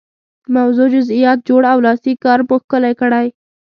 د موضوع جزئیات جوړ او لاسي کار مو ښکلی کړئ.